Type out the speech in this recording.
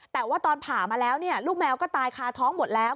แต่ว่าตอนผ่ามาแล้วลูกแมวก็ตายคาท้องหมดแล้ว